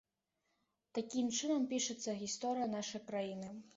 Такім чынам пішацца гісторыя нашай краіны.